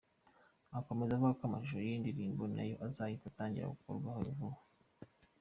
Akomeza avuga ko amashusho y’iyi ndirimbo nayo azahita atangira gukorwaho vuba.